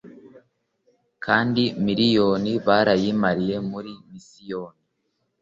Kandi miriyoni barayimariye muri misiyoni.